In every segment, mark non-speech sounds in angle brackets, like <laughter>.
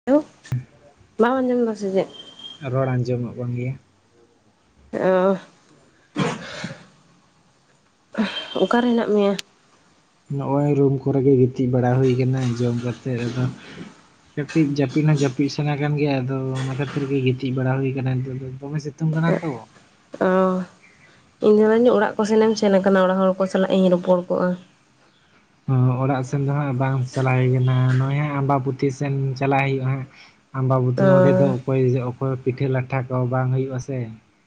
<unintelligible> ᱵᱟᱢ ᱟᱸᱡᱚᱢ ᱫᱟ ᱥᱮ ᱪᱮᱫ? ᱨᱚᱲ ᱟᱸᱡᱚᱢᱚᱜ ᱠᱟᱱ ᱜᱮᱭᱟ ᱾ ᱚ ᱾ ᱚᱠᱟᱨᱮ ᱦᱮᱱᱟᱜ ᱢᱮᱭᱟ? ᱱᱚᱜᱼᱚᱭ ᱨᱩᱢ ᱠᱚᱨᱮ ᱜᱮ ᱜᱤᱛᱤᱡ ᱵᱟᱲᱟ ᱦᱩᱭ ᱠᱟᱱᱟ ᱡᱚᱢ ᱠᱟᱛᱮᱫ ᱟᱫᱚ ᱠᱟᱹᱴᱤᱡ ᱡᱟᱹᱯᱤᱫ ᱦᱚᱸ ᱡᱟᱹᱯᱤᱫ ᱥᱟᱱᱟ ᱠᱟᱱᱟ ᱜᱮᱭᱟ ᱟᱫᱚ ᱚᱱᱟ ᱠᱷᱟᱹᱛᱤᱨ ᱜᱮ ᱜᱤᱛᱤᱡ ᱵᱟᱲᱟ ᱦᱩᱭ ᱟᱠᱟᱱᱟ ᱱᱤᱛᱜ ᱫᱚ ᱾ ᱫᱚᱢᱮ ᱥᱤᱛᱩ ᱥᱤᱛᱩᱝ ᱠᱟᱱᱟ ᱛᱚ ᱾ ᱚ ᱤᱧ ᱢᱮᱱᱫᱟᱧ ᱚᱲᱟᱜ ᱠᱚ ᱥᱮᱱ ᱮᱢ ᱥᱮᱱ ᱟᱠᱟᱱᱟ ᱚᱲᱟᱜ ᱦᱚᱲ ᱠᱚ ᱥᱟᱞᱟᱜ ᱤᱧ ᱨᱚᱯᱚᱲ ᱠᱚᱜᱼᱟ ᱾ ᱚ ᱚᱲᱟᱜ ᱥᱮᱱ ᱫᱚ ᱦᱟᱸᱜ ᱵᱟᱝ ᱪᱟᱞᱟᱣ ᱦᱩᱭ ᱠᱟᱱᱟ, ᱱᱚᱜᱼᱚᱭ ᱦᱟᱸᱜ ᱟᱢᱵᱟᱯᱩᱛᱤ ᱥᱮᱱ ᱪᱟᱞᱟᱣ ᱦᱩᱭᱩᱜᱼᱟ ᱦᱟᱸᱜ ᱾ ᱟᱢᱵᱟᱵᱚᱛᱤ ᱚ ᱱᱚᱸᱰᱮ ᱫᱚ ᱚᱠᱚᱭ ᱚᱠᱚᱭ ᱯᱤᱴᱷᱟᱹ ᱞᱟᱴᱷᱟ ᱠᱚ ᱵᱟᱝ ᱦᱩᱭᱩᱜᱼᱟ ᱥᱮ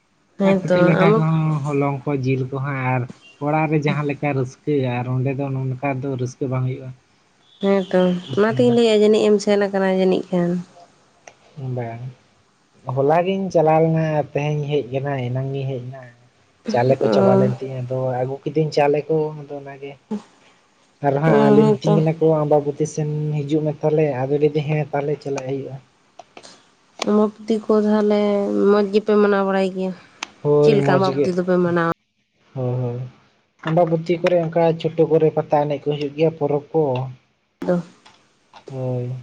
᱾ ᱟᱨ ᱦᱮᱸᱛᱚ ᱯᱤᱴᱷᱟᱹ ᱞᱟᱴᱷᱟ ᱟᱢ ᱠᱚᱦᱚᱸ ᱦᱚᱞᱚᱝ ᱠᱚ ᱡᱤᱞ ᱠᱚᱦᱚᱸ ᱟᱨ ᱚᱲᱟᱜ ᱨᱮ ᱡᱟᱦᱟᱸ ᱞᱮᱠᱟ ᱨᱟᱹᱥ ᱠᱟᱹᱭᱟ ᱟᱨ ᱚᱸᱰᱮ ᱫᱚ ᱱᱚᱝᱠᱟ ᱫᱚ ᱨᱟᱹᱥᱠᱟᱹ ᱵᱟᱝ ᱦᱩᱭᱩᱜᱼᱟ ᱾ ᱦᱮᱸ ᱛᱚ ᱚᱱᱟᱛᱤᱧ ᱞᱟᱹᱭᱮᱜ-ᱟ ᱡᱟᱹᱱᱤᱡ ᱮᱢ ᱥᱮᱱ ᱟᱠᱟᱱᱟ ᱡᱟᱹᱱᱤᱡ ᱠᱷᱟᱱ ᱾ ᱵᱟᱝ ᱾ ᱦᱚᱞᱟ ᱜᱤᱧ ᱪᱟᱞᱟᱣ ᱞᱮᱱᱟ ᱛᱮᱦᱮᱧ ᱦᱮᱡ ᱠᱟᱱᱟ ᱮᱱᱟᱝ ᱤᱧ ᱦᱮᱡ ᱮᱱᱟ ᱾ ᱪᱟᱣᱞᱮ ᱠᱚ ᱪᱟᱵᱟ ᱞᱮᱱ ᱛᱤᱧ ᱛᱚ ᱟᱹᱜᱩ ᱠᱤᱫᱚᱹᱧ ᱪᱟᱣᱞᱮ ᱠᱚ ᱟᱫᱚ ᱚᱱᱟᱜᱮ ᱾ ᱟᱨ ᱚ ᱦᱟᱸᱜ ᱟᱞᱮ ᱦᱮᱸᱛᱚ ᱢᱤᱛᱟᱹᱧ ᱠᱟᱱᱟ ᱠᱚ ᱟᱢ ᱵᱟᱵᱚᱛᱤ ᱥᱮᱱ ᱦᱤᱡᱩᱜ ᱢᱮ ᱛᱟᱦᱞᱮ ᱟᱫᱚ ᱞᱟᱹᱭᱟᱹ ᱦᱮᱸ ᱛᱟᱦᱞᱮ ᱪᱟᱞᱟᱜ ᱦᱩᱭᱩᱜᱼᱟ ᱾ ᱟᱢᱵᱟᱵᱚᱛᱤ ᱠᱚ ᱛᱟᱦᱚᱞᱮ ᱢᱚᱸᱡᱽ ᱜᱮᱯᱮ ᱢᱟᱱᱟᱣ ᱵᱟᱲᱟᱭ ᱜᱮᱭᱟ? ᱪᱮᱫ ᱦᱳᱭ ᱞᱮᱠᱟ ᱢᱚᱡᱽ ᱜᱮ, ᱟᱢᱵᱟᱵᱚᱛᱤ ᱫᱚᱯᱮ ᱢᱟᱱᱟᱣᱟ ᱦᱳ ᱦᱳ ᱾ ᱟᱢᱵᱟᱵᱚᱛᱤ ᱠᱚᱨᱮ ᱚᱱᱠᱟ ᱪᱷᱳᱴᱳ ᱠᱚᱨᱮ ᱯᱟᱛᱟ ᱮᱱᱮᱡ ᱠᱚ ᱦᱩᱭᱩᱜ ᱜᱮᱭᱟ ᱯᱚᱨᱚᱵᱽ ᱠᱚ ᱾ ᱫᱚᱼᱼ ᱦᱳᱭ ᱾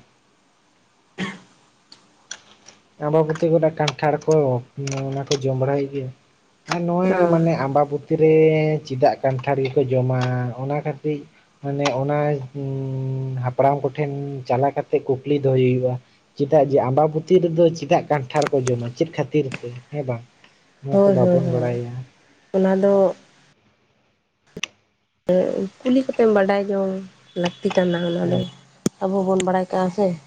ᱟᱸᱵᱟᱵᱚᱛᱤ ᱠᱚᱨᱮ ᱠᱟᱱᱴᱷᱟᱲ ᱠᱚ ᱚᱱᱟ ᱠᱚ ᱡᱚᱢ ᱵᱟᱲᱟᱭ ᱦᱩᱭᱩᱜ ᱜᱮᱭᱟ ‌᱾ ᱟᱨ ᱱᱚᱣᱟ ᱚ ᱢᱟᱱᱮ ᱟᱢᱵᱟᱵᱚᱛᱤ ᱨᱮ ᱪᱮᱫᱟᱜ ᱠᱟᱱᱴᱷᱟᱲ ᱜᱮᱠᱚ ᱡᱚᱢᱟ ᱚᱱᱟ ᱠᱟᱴᱤᱡ ᱢᱟᱱᱮ ᱚᱱᱟ ᱩᱸᱻ ᱦᱟᱯᱲᱟᱢ ᱠᱚᱴᱷᱮᱱ ᱪᱟᱞᱟ ᱠᱟᱛᱮᱜ ᱠᱩᱠᱞᱤ ᱫᱚᱦᱚᱭ ᱦᱩᱭᱩᱜᱼᱟ ᱾ ᱪᱮᱫᱟᱜ ᱡᱮ ᱟᱢᱵᱟᱵᱩᱛᱤ ᱨᱮᱫᱚ ᱪᱮᱫᱟᱜ ᱠᱟᱱᱴᱷᱟᱲ ᱠᱚ ᱡᱚᱢᱟ ᱪᱮᱫ ᱠᱷᱟᱹᱛᱤᱨ ᱛᱮ ᱦᱮᱸ ᱵᱟᱝ ᱾ ᱱᱚᱣᱟ ᱛᱚ ᱦᱳᱭ ᱦᱳᱭ ᱵᱟᱵᱚᱱ ᱦᱳᱭ ᱵᱟᱲᱟᱭᱟ ᱾ ᱚᱱᱟ ᱫᱚ ᱠᱩᱞᱤ ᱠᱟᱛᱮᱢ ᱵᱟᱰᱟᱭ ᱡᱚᱝ ᱞᱟᱹᱠᱛᱤ ᱠᱟᱱᱟ ᱚᱱᱟ ᱦᱳᱭ ᱫᱚ ᱾ ᱟᱵᱚ ᱵᱚᱱ ᱵᱟᱲᱟᱭ ᱠᱟᱜᱼᱟ ᱥᱮ ᱾